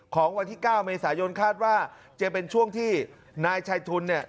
ของวันที่๙เมษายนคาดว่าจะเป็นช่วงที่นายชัยทุนเนี่ย